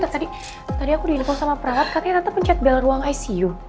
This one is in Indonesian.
tata tadi tadi aku diinvol sama perawat katanya tata pencet biar ruang icu